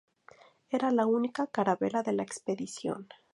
Era la única carabela de la expedición.